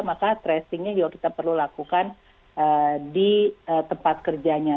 maka tracingnya juga kita perlu lakukan di tempat kerjanya